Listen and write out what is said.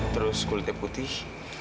terus kulitnya putih